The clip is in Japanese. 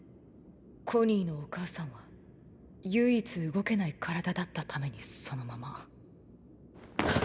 コニーのお母さんは唯一動けない体だったためにそのまま。！！